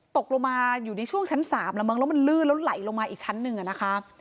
ตกลงมาอยู่ในช่วงชั้น๓แล้วมั้งแล้วมันลื่นแล้วไหลลงมาอีกชั้นหนึ่งอะนะคะ